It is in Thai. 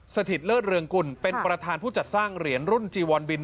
สถิตเลิศเรืองกุลเป็นประธานผู้จัดสร้างเหรียญรุ่นจีวอนบิน